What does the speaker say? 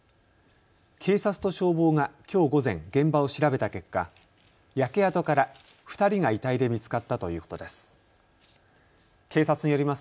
警察と消防がきょう午前、現場を調べた結果、焼け跡から２人が遺体で見つかったということです。